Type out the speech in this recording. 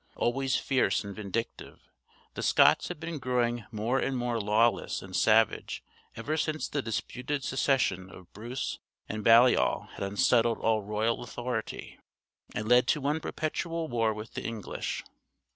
Always fierce and vindictive, the Scots had been growing more and more lawless and savage ever since the disputed succession of Bruce and Balliol had unsettled all royal authority, and led to one perpetual war with the English.